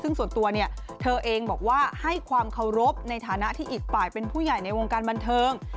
ซึ่งส่วนตัวเนี่ยเธอเองบอกว่าให้ความเคารพในฐานะที่อีกฝ่ายเป็นผู้ใหญ่ในวงการบันเทิง